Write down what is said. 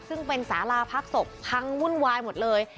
ซึ่งเป็นสาราพักศพพังวุ่นวายหมดเลย